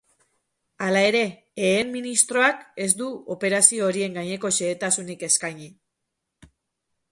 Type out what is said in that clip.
Hala ere, ehen ministroak ez du operazio horien gaineko xehetasunik eskaini.